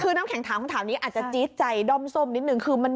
คือน้ำแข็งถามคำถามนี้อาจจะจี๊ดใจด้อมส้มนิดนึงคือมัน